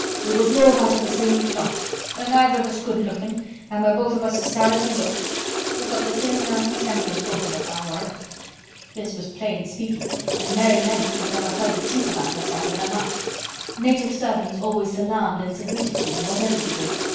"We was wove out of th' same cloth. We're neither of us good lookin' an' we're both of us as sour as we look. We've got the same nasty tempers, both of us, I'll warrant." This was plain speaking, and Mary Lennox had never heard the truth about herself in her life. Native servants always salaamed and submitted to you, whatever you did.